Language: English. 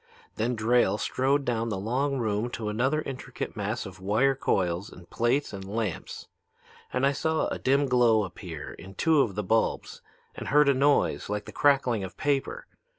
"Then Drayle strode down the long room to another intricate mass of wire coils and plates and lamps. And I saw a dim glow appear in two of the bulbs and heard a noise like the crackling of paper.